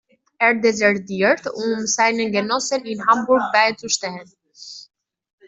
Er desertiert, um seinen Genossen in Hamburg beizustehen.